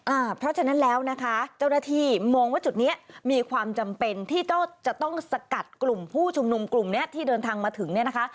อ่าเพราะฉะนั้นแล้วนะคะเจ้าหน้าที่มองว่าจุดเนี้ยมีความจำเป็นที่จะต้องสกัดกลุ่มผู้ชุมนุมกลุ่มเนี้ยที่เดินทางมาถึงเนี่ยนะคะ